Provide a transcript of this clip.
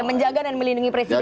menjaga dan melindungi presiden